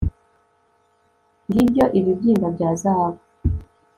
ngibyo ibibyimba bya zahabu